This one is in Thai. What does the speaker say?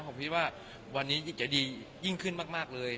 ผมคิดว่าวันนี้จะดียิ่งขึ้นมากเลย